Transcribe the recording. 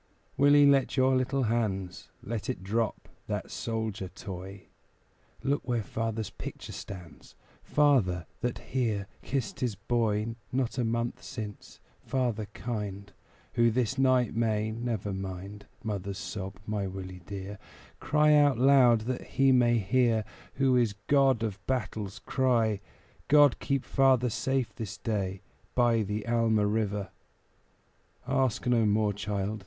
Willie, fold your little hands; Let it drop that "soldier" toy; Look where father's picture stands Father, that here kissed his boy Not a month since father kind, Who this night may (never mind Mother's sob, my Willie dear) Cry out loud that He may hear Who is God of battles cry, "God keep father safe this day By the Alma River!" Ask no more, child.